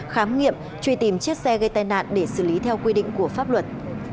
khám nghiệm truy tìm chiếc xe gây tai nạn để xử lý theo quy định của pháp luật